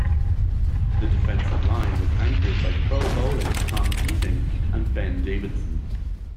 The defensive line was anchored by Pro Bowlers Tom Keating and Ben Davidson.